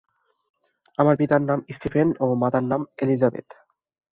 তার পিতার নাম স্টিফেন ও মাতার নাম এলিজাবেথ।